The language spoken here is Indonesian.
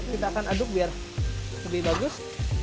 kita akan aduk biar lebih bagus